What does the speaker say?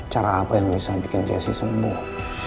cara apa yang bisa bikin jessi sembuh